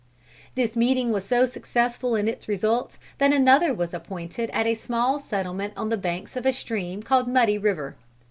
This meeting was so successful in its results that another was appointed at a small settlement on the banks of a stream called Muddy river.